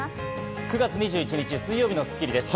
９月２１日、水曜日の『スッキリ』です。